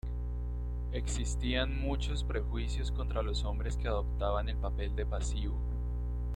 Existían muchos prejuicios contra los hombres que adoptaban el papel de pasivo.